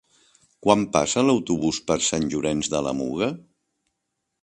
Quan passa l'autobús per Sant Llorenç de la Muga?